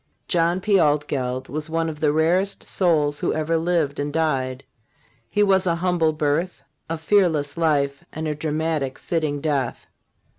John P. Altgeld was one of the rarest souls who ever lived and died. His was a humble birth, a fearless life and a dramatic, fitting death.